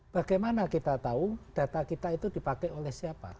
bagaimana kita tahu data kita itu dipakai oleh siapa